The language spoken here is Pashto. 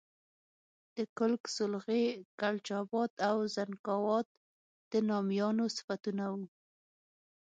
د کُلک، سولغی، کلچ آباد او زنګاوات د نامیانو صفتونه وو.